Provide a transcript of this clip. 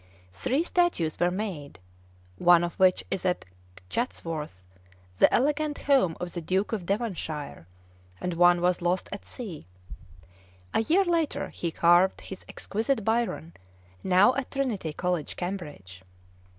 Three statues were made, one of which is at Chatsworth, the elegant home of the Duke of Devonshire; and one was lost at sea. A year later, he carved his exquisite Byron, now at Trinity College, Cambridge.